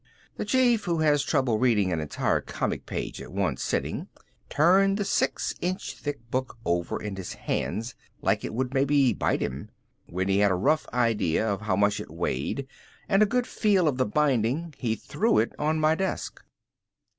The Chief, who has trouble reading an entire comic page at one sitting, turned the 6 inch thick book over in his hands like it would maybe bite him. When he had a rough idea of how much it weighed and a good feel of the binding he threw it on my desk.